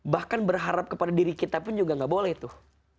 bahkan berharap kepada diri kita pun juga gak boleh tuh